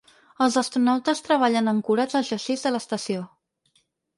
Els astronautes treballen ancorats al xassís de l’estació.